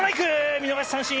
見逃し三振！